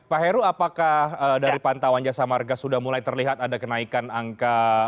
pak heru apakah dari pantauan jasa marga sudah mulai terlihat ada kenaikan angka